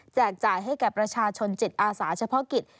จ่ายให้แก่ประชาชนจิตอาสาเฉพาะกิจ